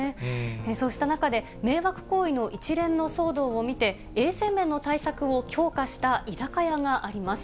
そうした中で、迷惑行為の一連の騒動を見て、衛生面の対策を強化した居酒屋があります。